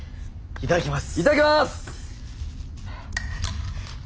いただきます！